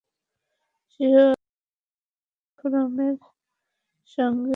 শিশু অধিকার ফোরামের সঙ্গে সমন্বিতভাবে শিশুদের ভিক্ষাবৃত্তি নিরসনের কাজটি করা যেতে পারে।